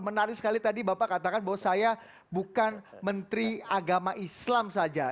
menarik sekali tadi bapak katakan bahwa saya bukan menteri agama islam saja